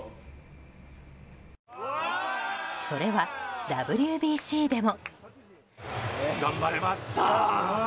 それはＷＢＣでも。